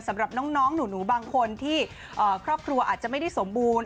สำหรับน้องหนูบางคนที่ครอบครัวอาจจะไม่ได้สมบูรณ